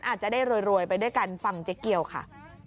อาจจะได้รวยไปด้วยกันฟังเจ๊เกียวค่ะ